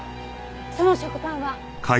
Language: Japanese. その食パンは？